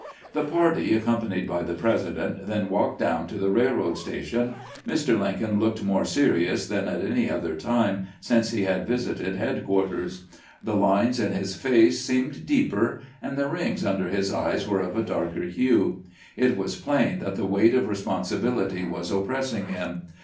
The party, ac companied by the President, then walked down to the railroad station. Mr. Lincoln looked more serious than at any other time since he had visited headquarters. The lines in his face seemed deeper, and the rings under his eyes were of a darker hue. It was plain that the weight of responsibility was oppressing him.